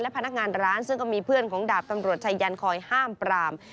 พนักงานร้านซึ่งก็มีเพื่อนของดาบตำรวจชายยันคอยห้ามปราม